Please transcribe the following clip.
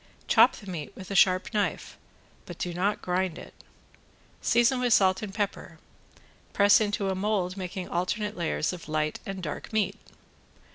Chop the meat with a sharp knife, but do not grind it, season with salt and pepper. Press into a mold making alternate layers of light and dark meat.